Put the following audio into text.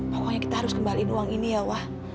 pokoknya kita harus kembaliin uang ini ya wah